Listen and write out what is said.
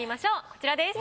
こちらです。